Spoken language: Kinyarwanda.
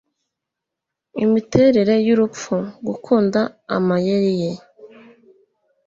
imiterere y'urupfu; gukunda amayeri ye